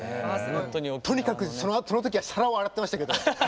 とにかくそのときは皿を洗ってましたけど。